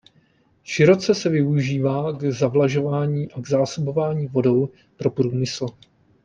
Široce se využívá k zavlažování a k zásobování vodou pro průmysl.